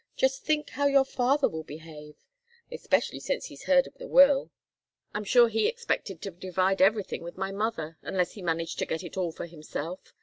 Just think how your father will behave! Especially since he's heard of the will. I'm sure he expected to divide everything with my mother, unless he managed to get it all for himself.